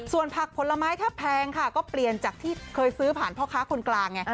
ส่วนผักผลไม้ถ้าแพงค่ะก็เปลี่ยนจากที่เคยซื้อผ่านพ่อค้าคนกลางไง